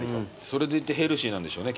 それでいてヘルシーなんでしょうね。